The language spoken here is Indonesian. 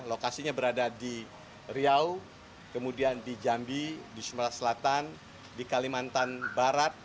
lokasinya berada di riau kemudian di jambi di sumatera selatan di kalimantan barat